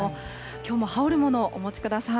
きょうも羽織るものをお持ちください。